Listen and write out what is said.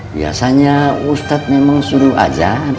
biasanya ustadz memang suruh aja